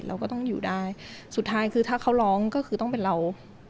เราก็ต้องอยู่ได้สุดท้ายคือถ้าเขาร้องก็คือต้องเป็นเรา